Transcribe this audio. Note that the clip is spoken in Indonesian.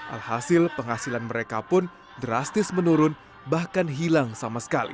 alhasil penghasilan mereka pun drastis menurun bahkan hilang sama sekali